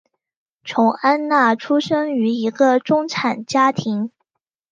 琼安娜出生于一个中产家庭。